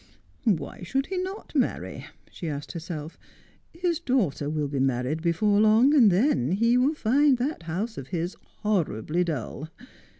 ' Why should he not marry 1 ' she asked herself. ' His daughter will be married before long, and then he will find that house of his horribly dull.